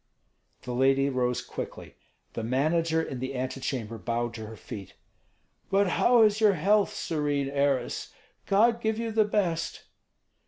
The lady rose quickly. The manager in the antechamber bowed to her feet. "But how is your health, serene heiress? God give you the best."